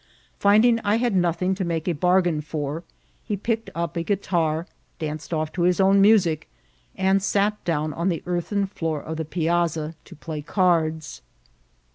Finding I had nothing to make a bargain for, he picked up a guitar, danced off to Ins own music, and sat down on the earthen floor of the piazza to play cards.